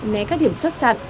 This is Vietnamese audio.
né các điểm chốt chặn